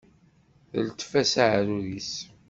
Teltef-as aεrur-is.